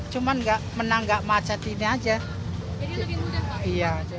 cuma nggak menang nggak macet ini aja